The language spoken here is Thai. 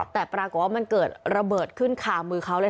แต่ปรากฏว่ามันเกิดระเบิดขึ้นคามือเขาเลย